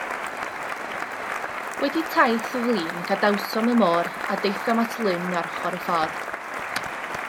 Wedi taith flin gadawsom y môr, a daethom at lyn ar ochr y ffordd.